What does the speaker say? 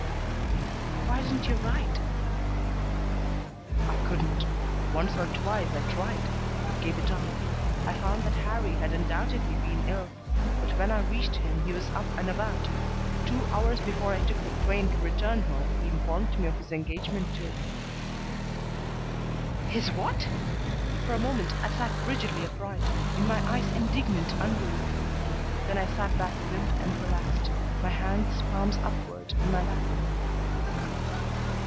"Why didn't you write?" "I couldn't. Once or twice I tried, but gave it up. I found that Harrie had undoubtedly been ill, but when I reached him he was up and about. Two hours before I took the train to return home he informed me of his engagement to " "His what?" For a moment I sat rigidly upright, in my eyes indignant unbelief. Then I sat back limp and relaxed, my hands, palms upward, in my lap.